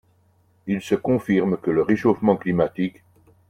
Il se confirme que le réchauffement climatique